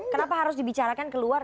kenapa harus dibicarakan ke luar